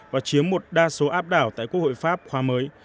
và chiếm một đa số áp đảo tại quốc hội pháp khoa mới